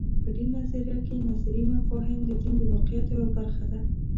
په دې نظریه کې نظري مفاهیم د دین د واقعیت یوه برخه ده.